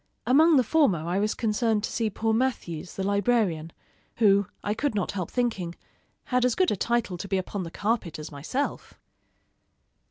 Among the former I was concerned to see poor Mathews, the librarian, who, I could not help thinking, had as good a title to be upon the carpet as myself.